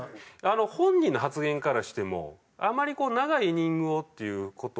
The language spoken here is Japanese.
本人の発言からしてもあまり長いイニングをっていう事を言ってないので。